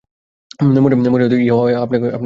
মনে হয় ইউহাওয়া আপনাকে নিয়ে এসেছে।